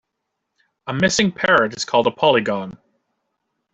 A missing parrot is called a polygon.